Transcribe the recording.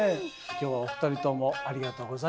今日はお二人ともありがとうございました。